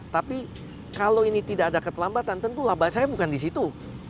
tapi kalau ini tidak ada keterlambatan tentu lambat saya bukan di situ